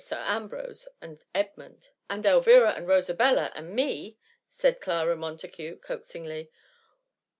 Sir Ambrose, and Edmund.^* ^^ And Elvira and Rosabella, and me ?^ said Clara Montagu coaxingly.